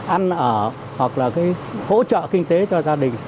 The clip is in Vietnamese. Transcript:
ăn ở hoặc là cái hỗ trợ kinh tế cho gia đình